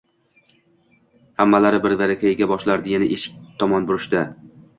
hammalari birvarakayiga boshlarini yana katta eshik tomon burishdi.